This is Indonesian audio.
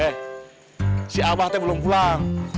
eh si abah teh belum pulang